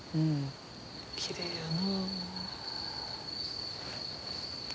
きれいやな。